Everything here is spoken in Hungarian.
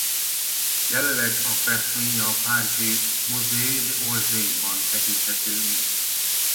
Jelenleg a festmény a párizsi Musée d’Orsay-ban tekinthető meg.